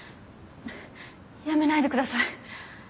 辞めないでください。